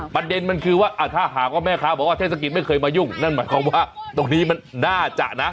ประเด็นมันคือว่าถ้าหากว่าแม่ค้าบอกว่าเทศกิจไม่เคยมายุ่งนั่นหมายความว่าตรงนี้มันน่าจะนะ